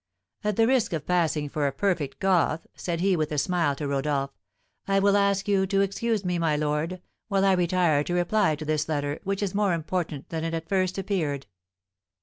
"At the risk of passing for a perfect Goth," said he, with a smile, to Rodolph, "I will ask you to excuse me, my lord, while I retire to reply to this letter, which is more important than it at first appeared."